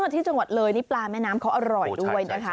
ที่จังหวัดเลยนี่ปลาแม่น้ำเขาอร่อยด้วยนะคะ